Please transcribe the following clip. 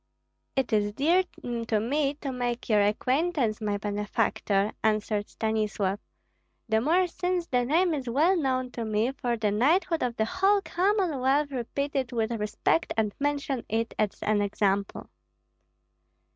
"It is dear to me to make your acquaintance, my benefactor," answered Stanislav, "the more since the name is well known to me, for the knighthood of the whole Commonwealth repeat it with respect and mention it as an example."